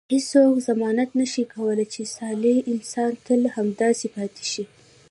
هیڅوک ضمانت نه شي کولای چې صالح انسان تل همداسې پاتې شي.